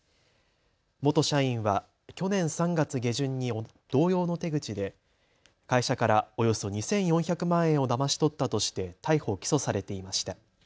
元社員は去年３月下旬に同様の手口で会社からおよそ２４００万円をだまし取ったとして逮捕・起訴されていました。